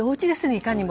いかにも。